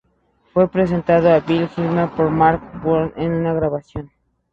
Fue presentado a Bill Gaither por Mark Lowry en unas grabaciones.